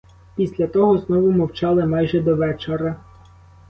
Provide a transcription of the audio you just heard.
Після того знову мовчали майже до вечора.